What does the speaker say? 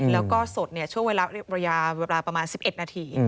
แล้วก็สดช่วงเวลาประมาณ๑๑นาที